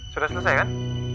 sudah selesai kan